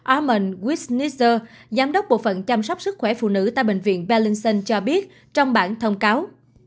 armand wiesnitzer giám đốc bộ phận chăm sóc sức khỏe phụ nữ tại bệnh viện berlinson cho biết trong bản thông cáo